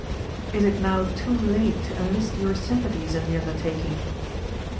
Is it now too late to enlist your sympathies in the undertaking?